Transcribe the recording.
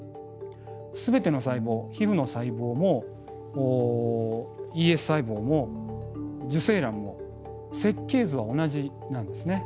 全ての細胞皮ふの細胞もＥＳ細胞も受精卵も設計図は同じなんですね。